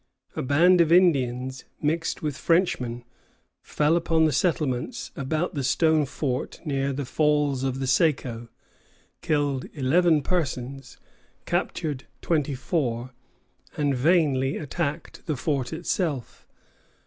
A band of Indians mixed with Frenchmen fell upon the settlements about the stone fort near the Falls of the Saco, killed eleven persons, captured twenty four, and vainly attacked the fort itself.